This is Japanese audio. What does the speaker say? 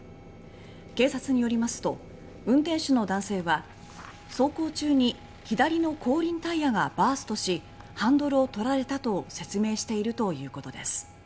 警察によりますと運転手の男性は「走行中に左の後輪タイヤがバーストしハンドルをとられた」と説明しているということです。